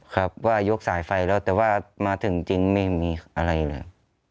ครับว่ายกสายไฟแล้วแต่ว่ามาถึงจริงไม่มีอะไรเลย